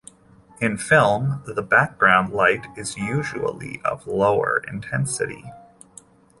In film, the background light is usually of lower intensity.